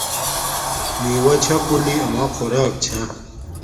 میوہ چھا کولی اما خوراک چھا